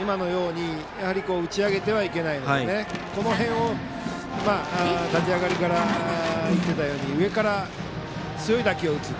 今のように打ち上げてはいけないのでこの辺を立ち上がりから言っていたように上から強い打球を打つと。